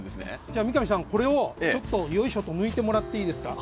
じゃ三上さんこれをよいしょと抜いてもらっていいですか。